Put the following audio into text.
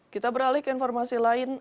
kita beralih ke informasi lain